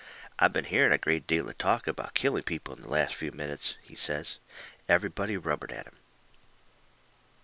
"I've been hearing a great deal of talk about killing people in the last few minutes," he says. Everybody rubbered at him.